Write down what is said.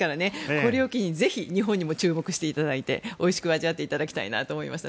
これを機にぜひ、日本にも注目していただいておいしく味わっていただきたいと思いました。